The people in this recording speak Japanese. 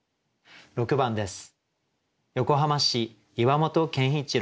６番です。